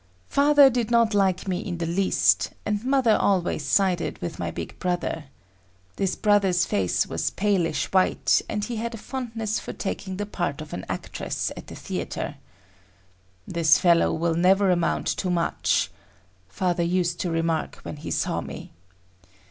Father did not like me in the least, and mother always sided with my big brother. This brother's face was palish white, and he had a fondness for taking the part of an actress at the theatre. "This fellow will never amount to much," father used to remark when he saw me.